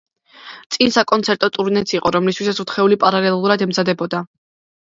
წინ საკონცერტო ტურნეც იყო, რომლისთვისაც ოთხეული პარალელურად ემზადებოდა.